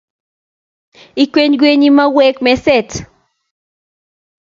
ikwenykwenyi mauek meset